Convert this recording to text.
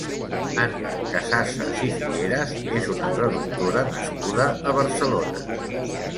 Anna Casassas i Figueras és una traductora nascuda a Barcelona.